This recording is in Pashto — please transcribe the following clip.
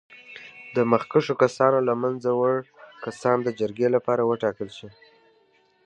د مخکښو کسانو له منځه وړ کسان د جرګې لپاره وټاکل شي.